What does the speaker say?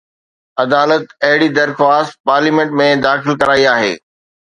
عدالت اهڙي درخواست پارليامينٽ ۾ داخل ڪرائي آهي